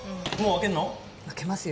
開けますよ。